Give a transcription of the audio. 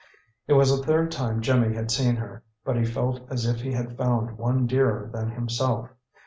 It was the third time Jimmy had seen her, but he felt as if he had found one dearer than himself.